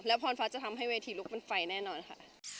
พรฟ้าจะทำให้เวทีลุกมันไฟแน่นอนค่ะ